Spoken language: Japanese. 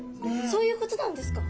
そういうことなんですか？